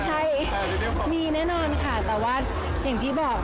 ใช่มีแน่นอนค่ะแต่ว่าอย่างที่บอก